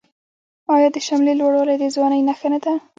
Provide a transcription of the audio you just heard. آیا د شملې لوړوالی د ځوانۍ نښه نه ده؟